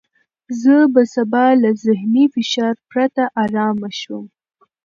زه به سبا له ذهني فشار پرته ارامه شوم.